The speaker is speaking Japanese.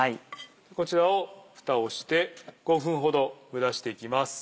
こちらをふたをして５分ほど蒸らしていきます。